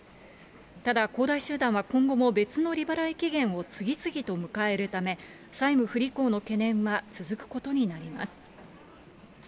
ただ、恒大集団は今後も別の利払い期限を次々と迎えるため、債務不履行の懸念は続くことになります。